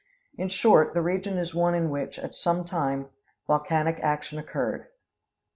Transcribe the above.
In short, the region is one in which, at some time, volcanic action occurred.